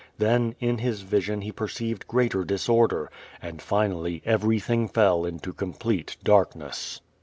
Then, in his vision he perceived greater disorder, and finally everything fell into complete darkness.